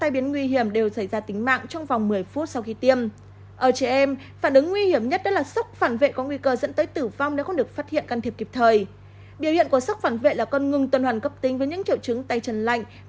biểu hiện của sốc phản vệ là con ngừng tuần hoàn cấp tính với những triệu chứng tay chân lạnh